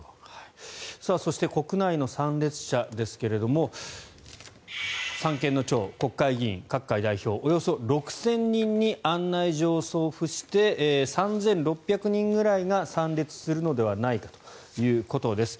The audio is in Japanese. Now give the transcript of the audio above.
そして国内の参列者ですが三権の長、国会議員各界代表などおよそ６０００人に案内状を送付して３６００人ぐらいが参列するのではないかということです。